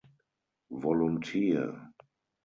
Volunteer!